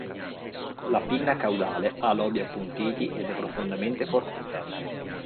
La pinna caudale ha lobi appuntiti ed è profondamente forcuta.